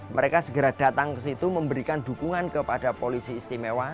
mereka segera datang ke situ memberikan dukungan kepada polisi istimewa